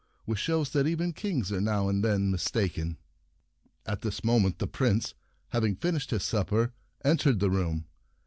which shows that even kings are now and then mistaken. At this moment the Prince, having finished his supper, en tered the room.